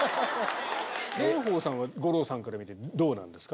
蓮舫さんは五郎さんから見てどうなんですか？